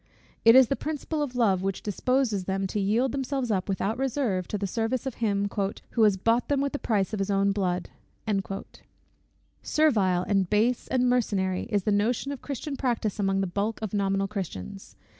It is the principle of love which disposes them to yield themselves up without reserve to the service of him, "who has bought them with the price of his own blood." Servile, and base, and mercenary, is the notion of Christian practice among the bulk of nominal Christians.